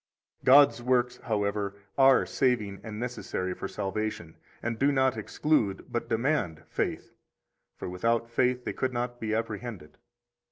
God's works, however, are saving and necessary for salvation, and do not exclude, but demand, faith; for without faith they could not be apprehended.